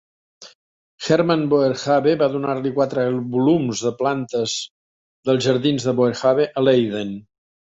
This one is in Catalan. Herman Boerhaave va donar-li quatre volums de plantes dels jardins de Boerhaave a Leiden.